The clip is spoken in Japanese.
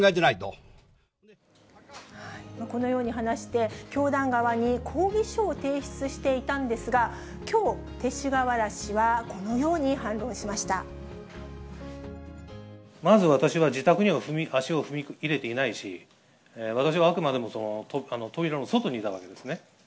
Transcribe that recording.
このように話して、教団側に、抗議書を提出していたんですが、きょう、勅使河原氏はこのようにまず私は、自宅には足を踏み入れていないし、私はあくまでも扉の外にいたわけですね。